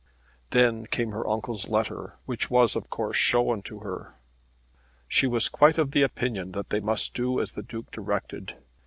Then came her uncle's letter, which was of course shown to her. She was quite of opinion that they must do as the Duke directed.